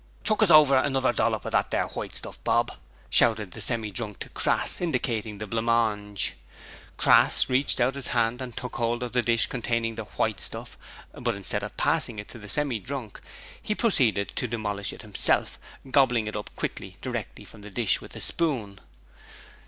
'Chuck us over another dollop of that there white stuff, Bob,' shouted the Semi drunk to Crass, indicating the blancmange. Crass reached out his hand and took hold of the dish containing the 'white stuff', but instead of passing it to the Semi drunk, he proceeded to demolish it himself, gobbling it up quickly directly from the dish with a spoon.